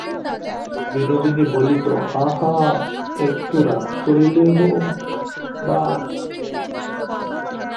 বিনোদিনী বলিত, আহা, একটু রাগ করিলই বা।